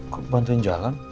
kok bantuin jalan